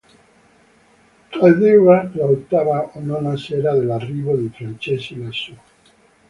Cadeva la ottava o nona sera dall'arrivo de' Francesi là su.